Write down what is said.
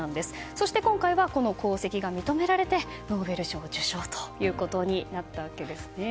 そして今回この功績が認められてノーベル賞受賞ということになったわけですね。